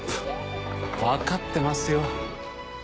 分かってますよ。